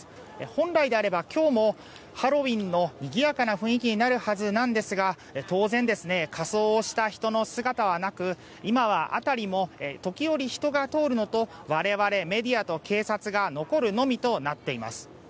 本来であれば今日もハロウィーンのにぎやかな雰囲気になるはずなんですが当然、仮装をした人の姿はなく今は辺りも、時折人が通るのと我々メディアと警察が残るのみとなっています。